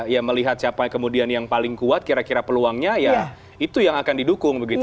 ya melihat siapa kemudian yang paling kuat kira kira peluangnya ya itu yang akan didukung begitu